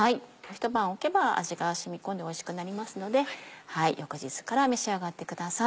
一晩置けば味が染み込んでおいしくなりますので翌日から召し上がってください。